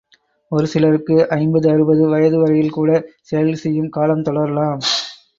ஒரு சிலருக்கு ஐம்பது அறுபது வயது வரையில் கூடச் செயல் செய்யும் காலம் தொடரலாம்.